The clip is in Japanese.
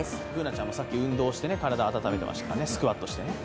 Ｂｏｏｎａちゃんもさっき運動して体を温めてましたからね、スクワットしてね。